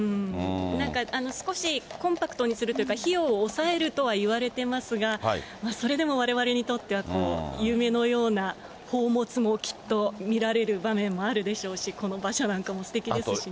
少しコンパクトにするというか、費用を抑えるとはいわれていますが、それでもわれわれにとっては、夢のような宝物も、きっと見られる場面もあるでしょうし、この馬車なんかもすてきですしね。